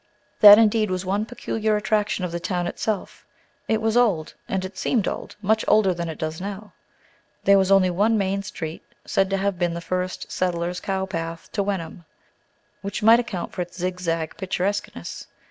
That, indeed, was one peculiar attraction of the town itself; it was old, and it seemed old, much older than it does now. There was only one main street, said to have been the first settlers' cowpath to Wenham, which might account for its zigzag picturesqueness.